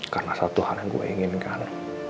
karena satu hal yang gue inginkan